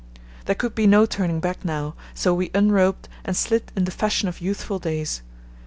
There could be no turning back now, so we unroped and slid in the fashion of youthful days.